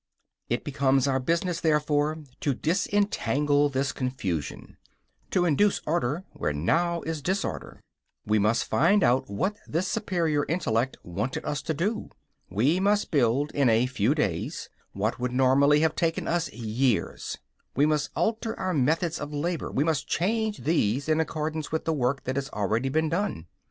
It becomes our business, therefore, to disentangle this confusion, to induce order where now is disorder; we must find out what this superior intellect wanted us to do; we must build in a few days what would normally have taken us years; we must alter our methods of labor, we must change these in accordance with the work that has already been done.